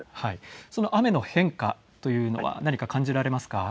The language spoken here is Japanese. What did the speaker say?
その雨の変化というのは何か感じられますか。